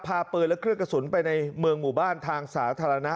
พาปืนและเครื่องกระสุนไปในเมืองหมู่บ้านทางสาธารณะ